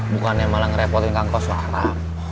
bukannya malah ngerepotin kang koswarap